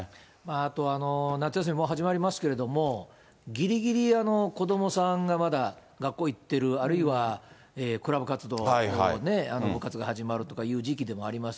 あと、夏休み、もう始まりますけれども、ぎりぎり、子どもさんがまだ学校行ってる、あるいはクラブ活動、部活が始まるという時期でもあります。